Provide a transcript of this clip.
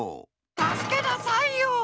たすけなさいよ！